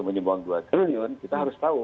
menyimpan uang dua triliun kita harus tahu